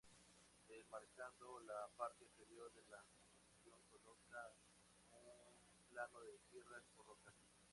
Enmarcando la parte inferior de la composición colocaba un plano de tierras o rocas.